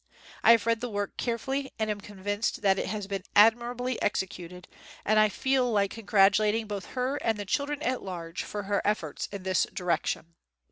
I have read the work carefully and am convinced that it has been admirably executed, and I feel like congrat ulating both her and the children at large for her efforts in this direction.